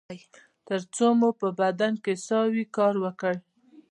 تر څو مو په بدن کې ساه وي کار وکړئ